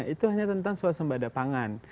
itu hanya tentang suasana badapangan